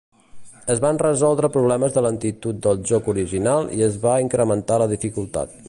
Es van resoldre problemes de lentitud del joc original i es va incrementar la dificultat.